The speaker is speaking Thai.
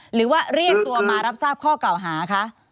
หรือว่าเรียกตัวมารับทราบข้อกล่าวหาคะ